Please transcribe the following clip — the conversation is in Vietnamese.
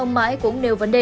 ông mãi cũng nêu vấn đề